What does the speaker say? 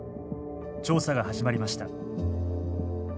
調査が始まりました。